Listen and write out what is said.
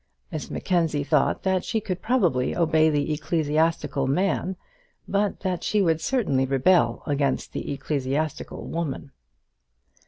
Miss Mackenzie thought that she could probably obey the ecclesiastical man, but that she would certainly rebel against the ecclesiastical woman.